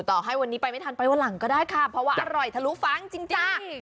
ต่อให้วันนี้ไปไม่ทันไปวันหลังก็ได้ค่ะเพราะว่าอร่อยทะลุฟ้างจริงจ้า